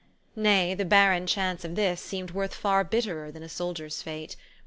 Nay, the barren chance of this seemed worth far bitterer than a soldier's fate.